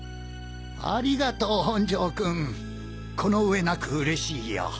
ありがとう本城君この上なく嬉しいよ。